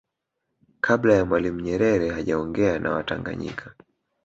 Kabla ya Mwalimu Nyerere hajaongea na watanganyika